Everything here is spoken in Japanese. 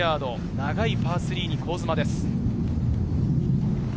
長いパー３に香妻です。